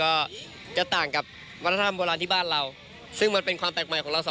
ก็จะต่างกับวัฒนธรรมโบราณที่บ้านเราซึ่งมันเป็นความแปลกใหม่ของเราสอง